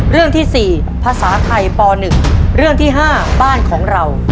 เรื่องที่๔ภาษาไทยป๑เรื่องที่๕บ้านของเรา